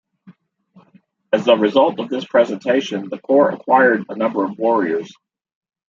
As a result of this presentation the Corps acquired a number of Warriors.